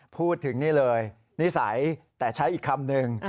พูดถึงนี่เลยนิสัยแต่ใช้อีกคำหนึ่ง